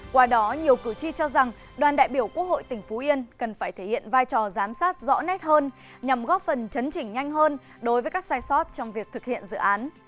qua đó nhiều cử tri cho rằng đoàn đại biểu quốc hội tỉnh phú yên cần phải thể hiện vai trò giám sát rõ nét hơn nhằm góp phần chấn chỉnh nhanh hơn đối với các sai sót trong việc thực hiện dự án